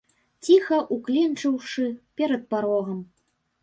Ціха ўкленчыўшы перад парогам.